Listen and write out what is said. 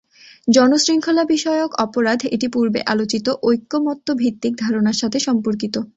জন শৃংখলা বিষয়ক অপরাধ এটি পূর্বে আলোচিত ঐক্যমত্য ভিত্তিক ধারণার সাথে সম্পর্কিত।